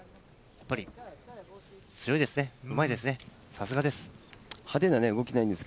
やっぱり強いですね、うまいですね、さすがです。